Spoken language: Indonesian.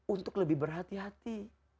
untuk lebih berhati hati